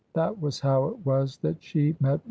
That was how it was that she met Mr. Waring."